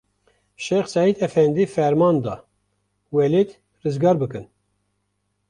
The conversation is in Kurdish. Şex Seîd efendî ferman da, welêt rizgar bikin.